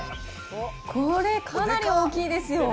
これ、かなり大きいですよ。